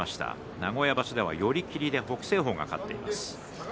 名古屋では寄り切りで北青鵬を勝っています。